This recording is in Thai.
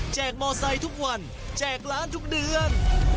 กมอไซค์ทุกวันแจกร้านทุกเดือน